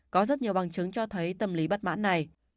có rất nhiều bằng chứng cho thấy tâm lý bất mãn này